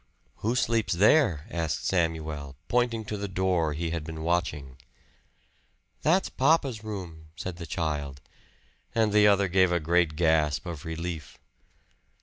"Who sleeps there?" asked Samuel, pointing to the door he had been watching. "That's papa's room," said the child; and the other gave a great gasp of relief.